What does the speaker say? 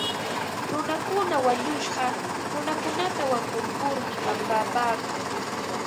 Runakuna wañushqa runakunata wankurkurmi pampapaakun.